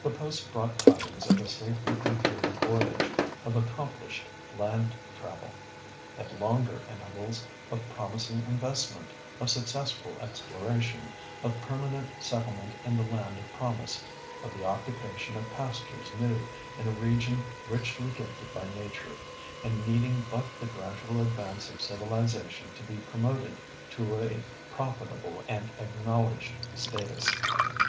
The post brought tidings of a safely concluded voyage, of accomplished land travel. At longer intervals, of promising investment, of successful exploration, of permanent settlement in the land of promise, of the occupation of pastures new in a region richly gifted by nature, and needing but the gradual advance of civilisation to be promoted to a profitable and acknowledged status.